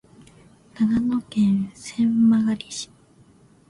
長野県千曲市